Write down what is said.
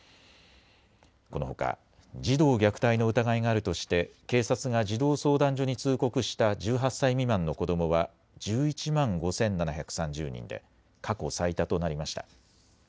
このほか児童虐待の疑いがあるとして警察が児童相談所に通告した１８歳未満の子どもは１１万５７３０人で過去最多となりました。